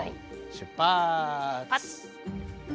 出発。